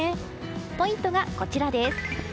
ポイントが、こちらです。